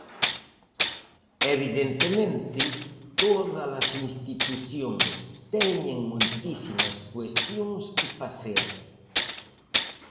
Evidentemente, todas as institucións teñen moitísimas cuestións que facer.